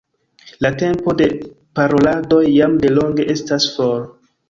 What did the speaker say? La tempo de paroladoj jam delonge estas for.